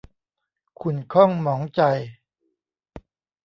ขุ่นข้องหมองใจ